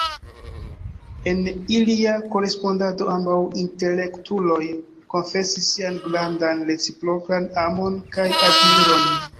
En ilia korespondado, ambaŭ intelektuloj konfesis sian grandan reciprokan amon kaj admiron.